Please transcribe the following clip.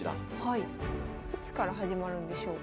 いつから始まるんでしょうか。